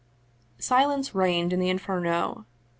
Silence reigned in the Inferno.